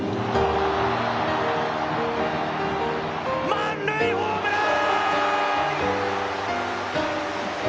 満塁ホームラン！！